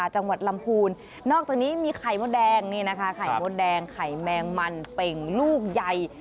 จังหวัดลำพูนนอกจากนี้มีไข่มดแดงนี่นะคะไข่มดแดงไข่แมงมันเป่งลูกใหญ่